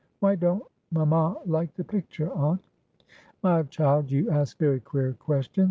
Why don't mamma like the picture, aunt?" "My child, you ask very queer questions.